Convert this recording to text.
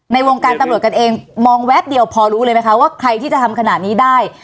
ในวงการตำรวจกันเองมองแวบเดียวพอรู้เลยไหมคะว่าใครที่จะทำขนาดนี้ได้